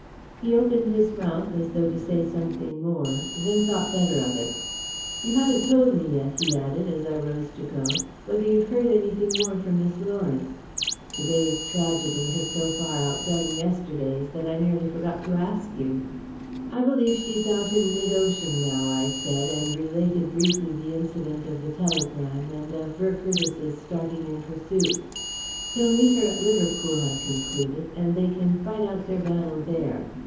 He opened his mouth as though to say something more, then thought better of it. "You haven't told me yet," he added, as I rose to go, "whether you've heard anything more from Miss Lawrence. To day's tragedy has so far outdone yesterday's that I nearly forgot to ask you." "I believe she's out in mid ocean now," I said, and related briefly the incident of the telegram and of Burr Curtiss's starting in pursuit. "He'll meet her at Liverpool," I concluded, "and they can fight out their battle there."